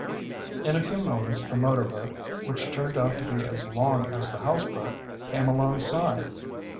In a few moments the motorboat, which turned out to be as long as the houseboat, came alongside.